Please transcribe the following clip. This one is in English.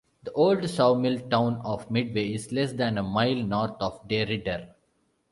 The old sawmill town of Midway is less than a mile north of DeRidder.